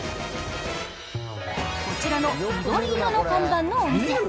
こちらの緑色の看板のお店。